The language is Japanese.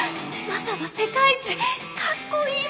マサは世界一かっこいい。